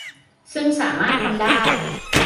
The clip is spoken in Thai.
ซึ่งสามารถทำได้